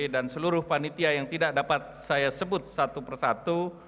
seluruh panitia yang tidak dapat saya sebut satu persatu